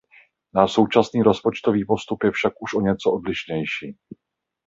Náš současný rozpočtový postup je však už o něco odlišnější.